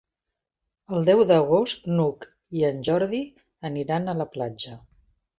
El deu d'agost n'Hug i en Jordi aniran a la platja.